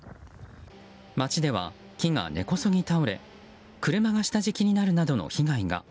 街では木が根こそぎ倒れ車が下敷きになるなどの被害が。